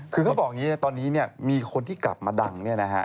คือเขาบอกอย่างนี้ตอนนี้มีคนที่กลับมาดัง